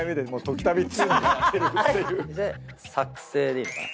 で作成でいいのかな。